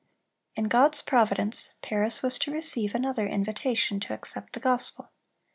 In God's providence, Paris was to receive another invitation to accept the gospel.